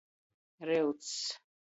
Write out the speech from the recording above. Ryucs.